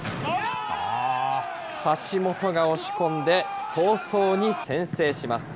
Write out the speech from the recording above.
橋本が押し込んで、早々に先制します。